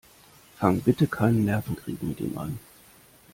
Fang bitte keinen Nervenkrieg mit ihm an.